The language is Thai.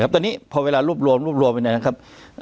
ตอนนี้พอเวลารวบรวมรวบรวมไปเนี่ยนะครับ